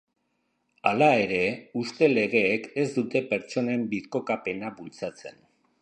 Hala ere, huste-legeek ez dute pertsonen birkokapena bultzatzen.